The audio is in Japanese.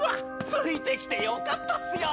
ついてきてよかったっすよ。